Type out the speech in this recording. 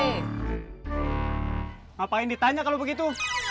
ngapain ditanya kalau begitu